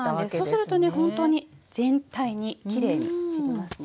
そうするとねほんとに全体にきれいに散りますね。